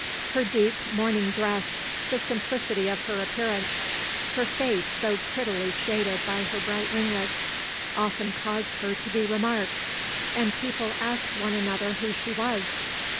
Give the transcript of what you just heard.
Her deep mourn ing dress, the simplicity of her appearance, her face so prettily shaded by her bright ringlets, often caused her to be remarked, and people asked one another who she was.